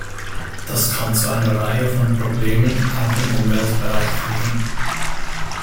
Das kann zu einer Reihe von Problemen auch im Umweltbereich führen.